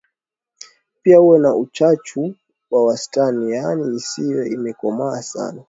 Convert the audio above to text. Pia uwe na uchachu wa wastani yaani isiwe imekomaa sana